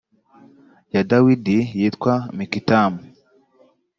ya dawidi yitwa mikitamu